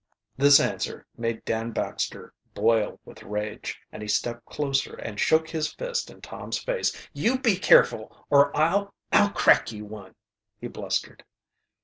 This answer made Dan Baxter boil with rage, and he stepped closer and shook his fist in Tom's face. "You be careful or I'll I'll crack you one," he blustered.